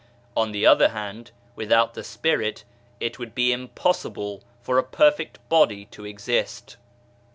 On the other hand, without the Spirit it would be impossible for a perfect body to exist.